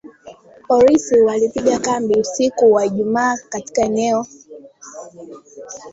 Polisi walipiga kambi usiku wa Ijumaa katika eneo